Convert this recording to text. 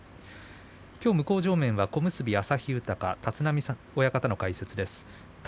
きょう向正面は小結旭豊立浪親方の解説です。